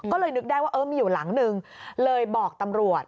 ก็เลยนึกได้ว่าเออมีอยู่หลังนึงเลยบอกตำรวจ